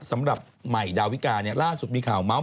สำหรับใหม่ดาวิกาเนี่ยล่าสุดมีข่าวเมาส์